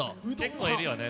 結構いるよね